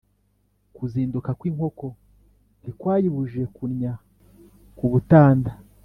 Kuzinduka kw’inkoko ntikwayibujije kunnya ku butanda.